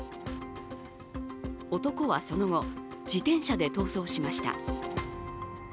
男はその後、自転車で逃走しました。